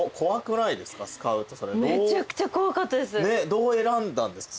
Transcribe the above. どう選んだんですか？